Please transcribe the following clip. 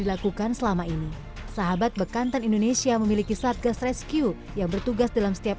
dilakukan selama ini sahabat bekantan indonesia memiliki satgas rescue yang bertugas dalam setiap